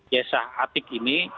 yesah atik ini